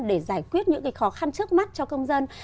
để giải quyết những khó khăn trước mắt cho công dân